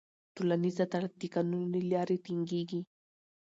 ټولنیز عدالت د قانون له لارې ټینګېږي.